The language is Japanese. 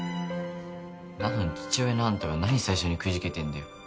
なのに父親のあんたが何最初にくじけてんだよ